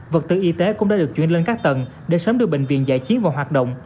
vật tư y tế cũng đã được chuyển lên các tầng để sớm đưa bệnh viện giải chiến vào hoạt động